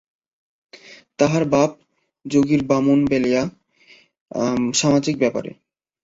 তাহার বাপ যুগীর বামুন বলিয়া সামাজিক ব্যাপারে।